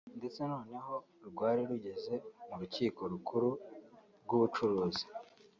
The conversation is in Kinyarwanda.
ndetse noneho rwari rugeze mu Rukiko Rukuru rw’Ubucuruzi